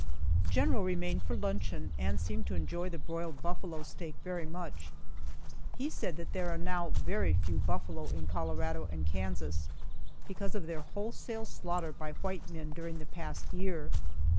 The general remained for luncheon and seemed to enjoy the broiled buffalo steak very much. He said that now there are very few buffalo in Colorado and Kansas, because of their wholesale slaughter by white men during the past year.